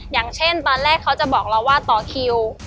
อย่างเช่นตอนแรกเขาจะบอกเราว่าต่อคิว